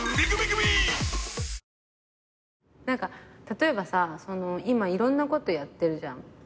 例えばさ今いろんなことやってるじゃん。